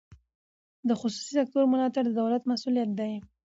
د خصوصي سکتور ملاتړ د دولت مسوولیت دی.